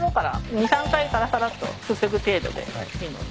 ２３回さらさらっとすすぐ程度でいいので。